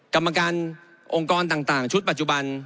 กรรมการองค์กรต่างชุดปัจจุบัน